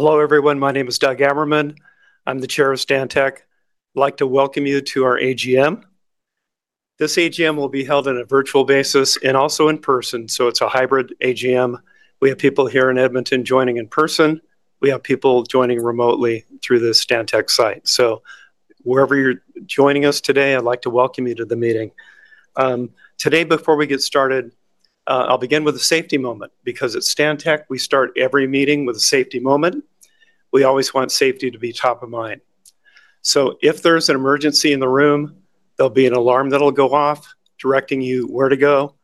Hello everyone. My name is Doug Ammerman. I'm the Chair of Stantec. I'd like to welcome you to our AGM. This AGM will be held in a virtual basis and also in person, so it's a hybrid AGM. We have people here in Edmonton joining in person. We have people joining remotely through the Stantec site. Wherever you're joining us today, I'd like to welcome you to the meeting. Today before we get started, I'll begin with a safety moment because at Stantec, we start every meeting with a safety moment. We always want safety to be top of mind. If there's an emergency in the room, there'll be an alarm that'll go off directing you where to go.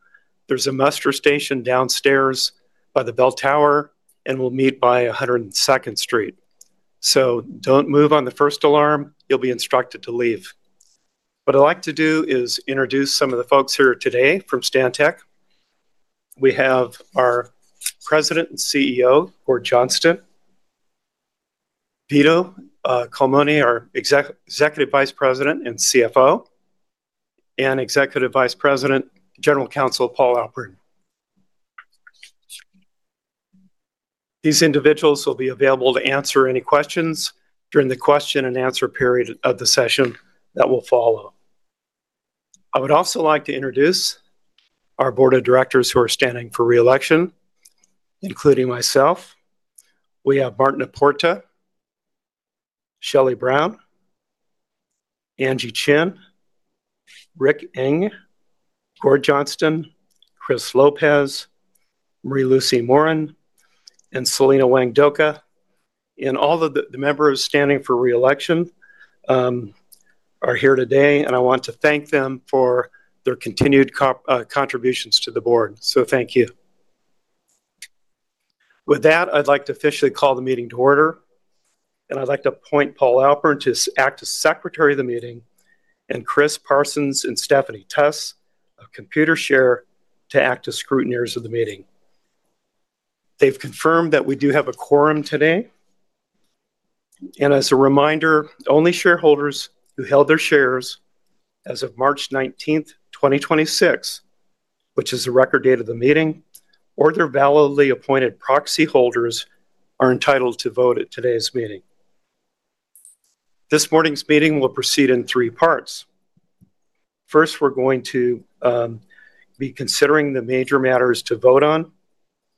There's a muster station downstairs by the bell tower, and we'll meet by 102nd Street. Don't move on the first alarm. You'll be instructed to leave. What I'd like to do is introduce some of the folks here today from Stantec. We have our President and CEO, Gord Johnston, Vito Culmone, our Executive Vice President and CFO, and Executive Vice President General Counsel, Paul Alpern. These individuals will be available to answer any questions during the question and answer period of the session that will follow. I would also like to introduce our board of directors who are standing for re-election, including myself. We have Martin à Porta, Shelley A.M. Brown, Angeline G. Chen, Rick Eng, Gord Johnston, Christopher F. Lopez, Marie-Lucie Morin, and Celina J. Wang Doka. All of the members standing for re-election are here today, and I want to thank them for their continued contributions to the board. Thank you. With that, I'd like to officially call the meeting to order, and I'd like to appoint Paul Alpern to act as secretary of the meeting and Chris Parsons and Stephanie Tuss of Computershare to act as scrutineers of the meeting. They've confirmed that we do have a quorum today. As a reminder, only shareholders who held their shares as of March 19th, 2026, which is the record date of the meeting, or their validly appointed proxyholders are entitled to vote at today's meeting. This morning's meeting will proceed in three parts. First, we're going to be considering the major matters to vote on.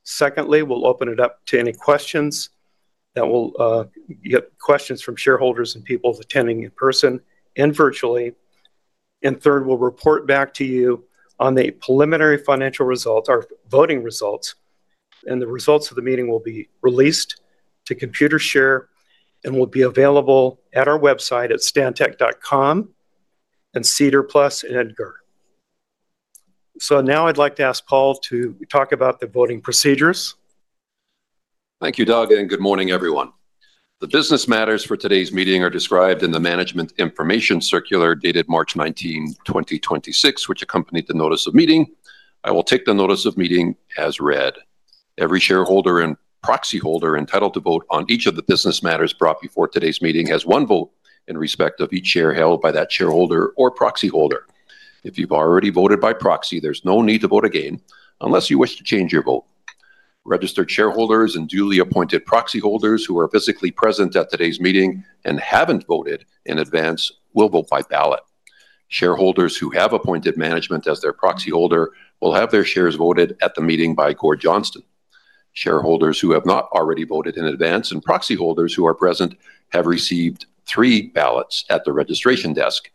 Secondly, we'll open it up to any questions that will get questions from shareholders and people attending in person and virtually. Third, we'll report back to you on the preliminary financial results or voting results, and the results of the meeting will be released to Computershare and will be available at our website at stantec.com and SEDAR+ and EDGAR. Now I'd like to ask Paul to talk about the voting procedures. Thank you, Doug, and good morning, everyone. The business matters for today's meeting are described in the management information circular dated March 19, 2026, which accompanied the notice of meeting. I will take the notice of meeting as read. Every shareholder and proxyholder entitled to vote on each of the business matters brought before today's meeting has one vote in respect of each share held by that shareholder or proxyholder. If you've already voted by proxy, there's no need to vote again unless you wish to change your vote. Registered shareholders and duly appointed proxyholders who are physically present at today's meeting and haven't voted in advance will vote by ballot. Shareholders who have appointed management as their proxyholder will have their shares voted at the meeting by Gord Johnston. Shareholders who have not already voted in advance and proxyholders who are present have received three ballots at the registration desk.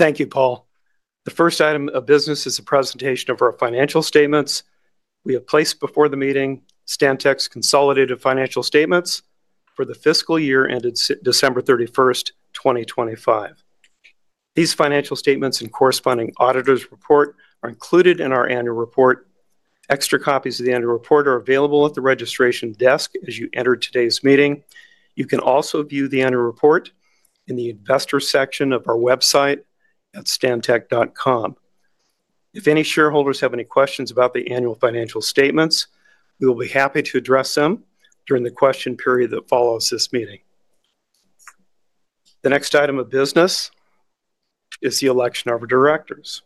Thank you, Paul. The first item of business is a presentation of our financial statements. We have placed before the meeting Stantec's consolidated financial statements for the fiscal year ended December 31st, 2025. These financial statements and corresponding auditor's report are included in our annual report. Extra copies of the annual report are available at the registration desk as you entered today's meeting. You can also view the annual report in the investor section of our website at stantec.com. If any shareholders have any questions about the annual financial statements, we will be happy to address them during the question period that follows this meeting. The next item of business is the election of our directors.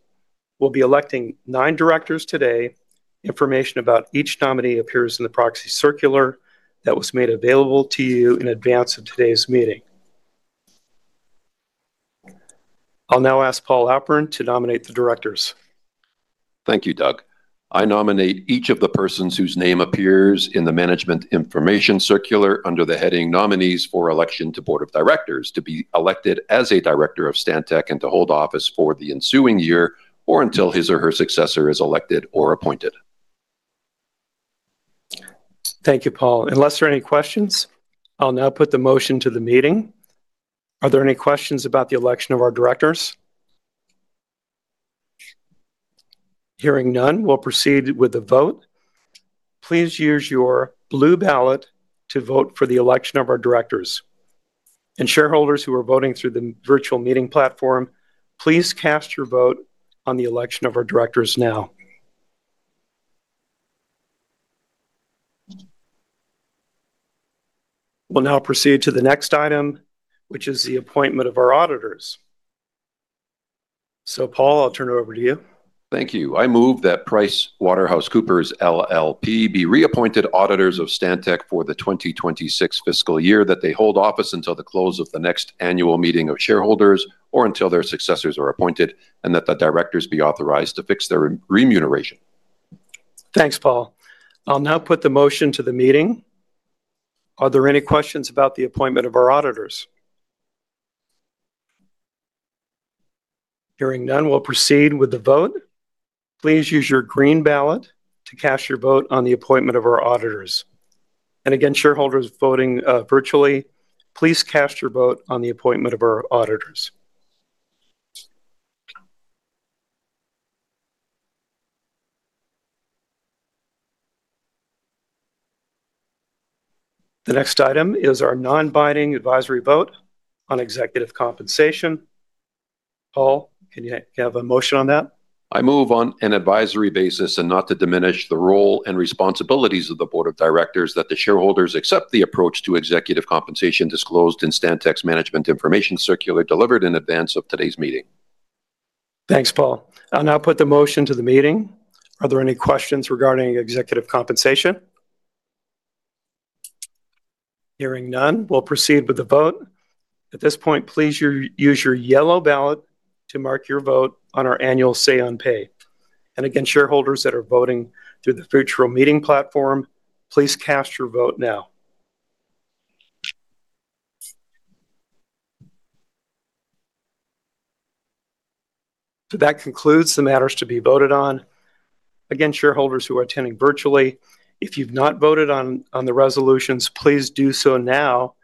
We'll be electing nine directors today. Information about each nominee appears in the proxy circular that was made available to you in advance of today's meeting. I'll now ask Paul Alpern to nominate the directors. Thank you, Doug. I nominate each of the persons whose name appears in the management information circular under the heading Nominees for Election to Board of Directors to be elected as a director of Stantec and to hold office for the ensuing year or until his or her successor is elected or appointed. Thank you, Paul. Unless there are any questions, I'll now put the motion to the meeting. Are there any questions about the election of our directors? Hearing none, we'll proceed with the vote. Please use your blue ballot to vote for the election of our directors. Shareholders who are voting through the virtual meeting platform, please cast your vote on the election of our directors now. We'll now proceed to the next item, which is the appointment of our auditors. Paul, I'll turn it over to you. Thank you. I move that PricewaterhouseCoopers LLP be reappointed auditors of Stantec for the 2026 fiscal year, that they hold office until the close of the next annual meeting of shareholders or until their successors are appointed, and that the directors be authorized to fix their re-remuneration. Thanks, Paul. I'll now put the motion to the meeting. Are there any questions about the appointment of our auditors? Hearing none, we'll proceed with the vote. Please use your green ballot to cast your vote on the appointment of our auditors. Again, shareholders voting virtually, please cast your vote on the appointment of our auditors. The next item is our non-binding advisory vote on executive compensation. Paul, can you have a motion on that? I move on an advisory basis and not to diminish the role and responsibilities of the board of directors that the shareholders accept the approach to executive compensation disclosed in Stantec's management information circular delivered in advance of today's meeting. Thanks, Paul. I'll now put the motion to the meeting. Are there any questions regarding executive compensation? Hearing none, we'll proceed with the vote. At this point, please use your yellow ballot to mark your vote on our annual say on pay. Again, shareholders that are voting through the virtual meeting platform, please cast your vote now. That concludes the matters to be voted on. Again, shareholders who are attending virtually, if you've not voted on the resolutions, please do so now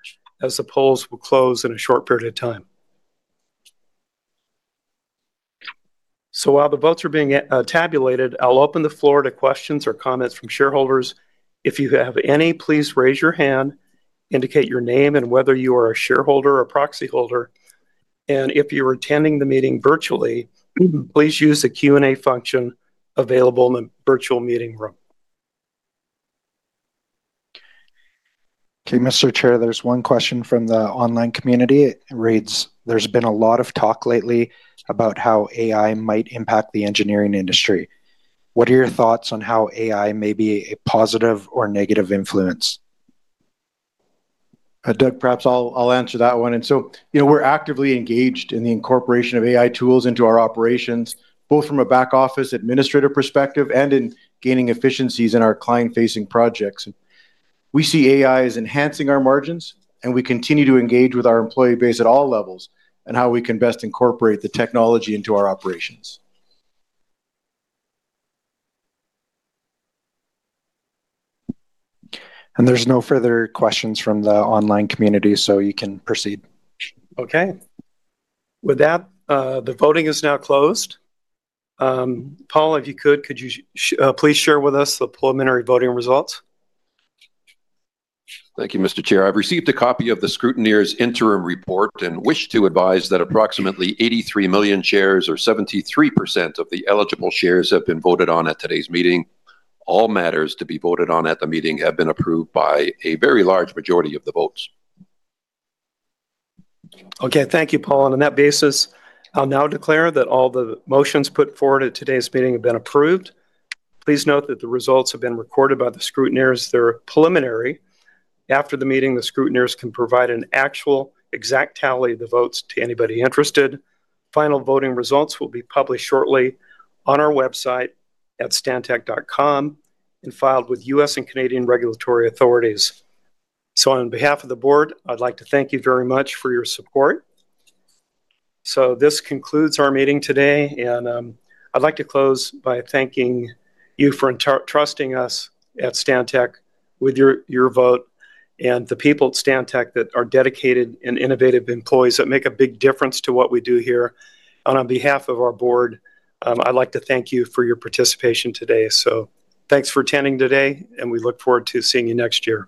as the polls will close in a short period of time. While the votes are being tabulated, I'll open the floor to questions or comments from shareholders. If you have any, please raise your hand, indicate your name and whether you are a shareholder or proxyholder. If you are attending the meeting virtually, please use the Q&A function available in the virtual meeting room. Okay, Mr. Chair, there's one question from the online community. It reads: There's been a lot of talk lately about how AI might impact the engineering industry. What are your thoughts on how AI may be a positive or negative influence? Doug, perhaps I'll answer that one. You know, we're actively engaged in the incorporation of AI tools into our operations, both from a back office administrative perspective and in gaining efficiencies in our client-facing projects. We see AI as enhancing our margins, and we continue to engage with our employee base at all levels on how we can best incorporate the technology into our operations. There's no further questions from the online community, so you can proceed. Okay. With that, the voting is now closed. Paul, if you could you please share with us the preliminary voting results? Thank you, Mr. Chair. I've received a copy of the scrutineer's interim report and wish to advise that approximately 83 million shares or 73% of the eligible shares have been voted on at today's meeting. All matters to be voted on at the meeting have been approved by a very large majority of the votes. Okay, thank you, Paul. On that basis, I'll now declare that all the motions put forward at today's meeting have been approved. Please note that the results have been recorded by the scrutineers. They are preliminary. After the meeting, the scrutineers can provide an actual exact tally of the votes to anybody interested. Final voting results will be published shortly on our website at stantec.com and filed with U.S. and Canadian regulatory authorities. On behalf of the board, I'd like to thank you very much for your support. This concludes our meeting today and I'd like to close by thanking you for trusting us at Stantec with your vote and the people at Stantec that are dedicated and innovative employees that make a big difference to what we do here. On behalf of our board, I'd like to thank you for your participation today. Thanks for attending today, and we look forward to seeing you next year.